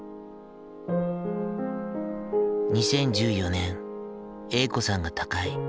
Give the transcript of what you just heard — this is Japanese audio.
２０１４年鋭子さんが他界。